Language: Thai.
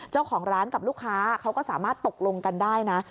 เจ้าของร้านกับลูกค้าเขาก็สามารถตกลงกันได้นะ